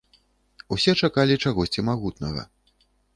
Усе чакалі чагосьці магутнага.